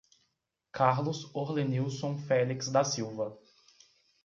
Carlos Orlenilson Felix da Silva